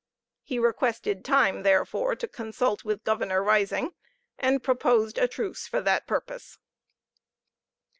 He requested time, therefore, to consult with Governor Risingh, and proposed a truce for that purpose.